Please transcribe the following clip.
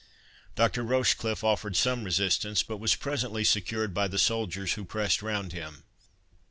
Dr. Rochecliffe offered some resistance, but was presently secured by the soldiers who pressed around him.